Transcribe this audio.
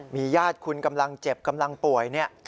มีญาติคุณกำลังเจ็บกำลังป่วยเนี่ย